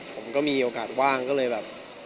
ผมก็มีโอกาสว่างก็เลยแบบ